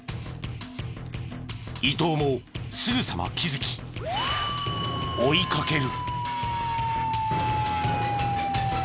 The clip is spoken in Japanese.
伊東もすぐさま気づき追いかける。